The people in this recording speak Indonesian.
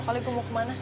kalo gue mau kemana